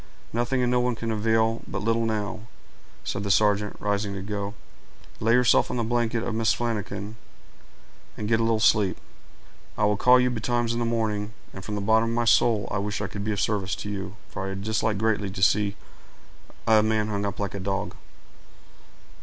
"Nothing and no one can avail but little now," said the sergeant, rising to go. "Lay yourself on the blanket of Mrs. Flanagan, and get a little sleep; I will call you betimes in the morning; and from the bottom of my soul I wish I could be of some service to you, for I dislike greatly to see a man hung up like a dog."